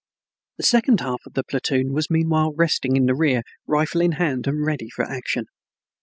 The second half of the platoon was meanwhile resting in the rear, rifle in hand and ready for action.